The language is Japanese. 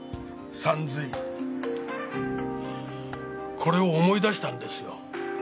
これを思い出したんですよ。